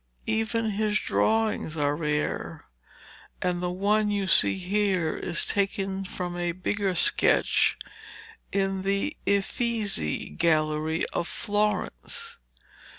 Even his drawings are rare, and the one you see here is taken from a bigger sketch in the Uffizi Gallery of Florence.